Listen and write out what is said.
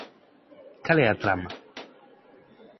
Cal é a trama?